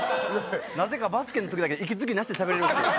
なぜかバスケの時だけ息継ぎなしでしゃべれるんですよ。